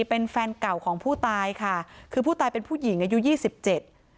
เป็นแฟนเก่าของผู้ตายค่ะคือผู้ตายเป็นผู้หญิงอายุยี่สิบเจ็ด